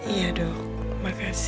iya dok makasih